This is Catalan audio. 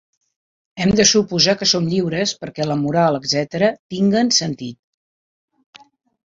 Hem de suposar que som lliures perquè la moral, etcètera, tinguen sentit.